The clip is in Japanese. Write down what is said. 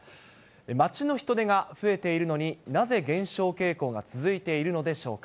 街の人出が増えているのに、なぜ減少傾向が続いているのでしょうか。